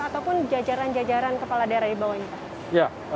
ataupun jajaran jajaran kepala daerah di bawahnya pak